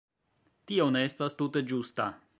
Tio ne estas tute ĝusta.